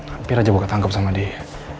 hampir aja gue ketangkep sama dia